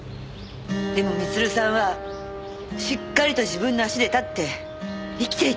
でも光留さんはしっかりと自分の足で立って生きていた。